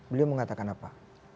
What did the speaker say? beliau mengatakan apa